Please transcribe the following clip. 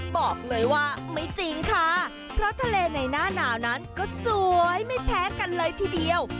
บอกเลยว่าไม่จริงค่ะเพราะทะเลในหน้าหนาวนั้นก็สวยไม่แพ้กันเลยทีเดียว